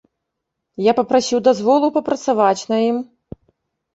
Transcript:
Я папрасіў дазволу папрацаваць на ім.